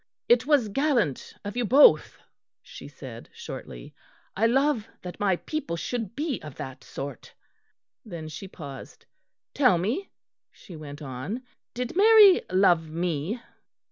"It was gallant of you both," she said shortly. "I love that my people should be of that sort." Then she paused. "Tell me," she went on, "did Mary love me?"